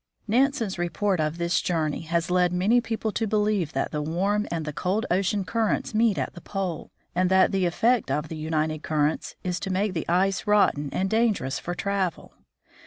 Nansen's report of this journey has led many people to believe that the warm and the cold ocean currents meet at the pole, and that the effect of the united currents is to make the ice rotten and dangerous for travel.